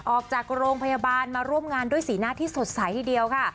ออกจากโรงพยาบาลมาร่วมงานด้วยสีหน้าที่สดใสทีเดียวค่ะ